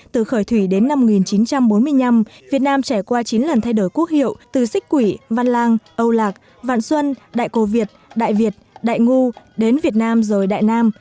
từ khởi thủy đến năm một nghìn chín trăm bốn mươi năm việt nam trải qua chín lần thay đổi quốc hiệu từ xích quỷ văn lang âu lạc vạn xuân đại cô việt đại việt đại ngu đến việt nam rồi đại nam